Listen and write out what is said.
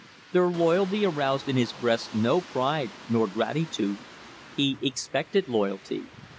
Their loyalty aroused in his breast no pride nor gratitude. He expected loyalty.